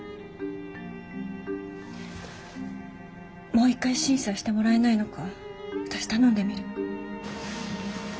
もう一回審査してもらえないのか私頼んでみる。